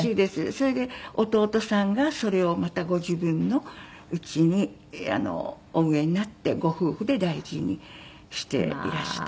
それで弟さんがそれをまたご自分の家にお植えになってご夫婦で大事にしていらした。